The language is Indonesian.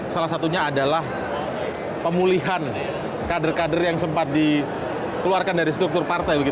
salah satunya adalah pemulihan kader kader yang sempat dikeluarkan dari struktur partai